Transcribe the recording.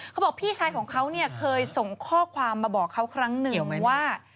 เขาบอกพี่ชายของเขาเนี่ยเคยส่งข้อความมาบอกเขาครั้งหนึ่งว่า